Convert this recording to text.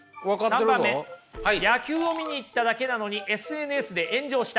３番目野球を見に行っただけなのにＳＮＳで炎上した。